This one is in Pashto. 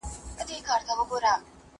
له ازله خدای ورکړی ژوند په لار کي د سیلیو